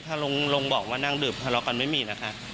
ถ้าลงบอกว่านั่งดื่มทะเลาะกันไม่มีนะคะ